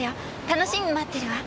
楽しみに待ってるわ。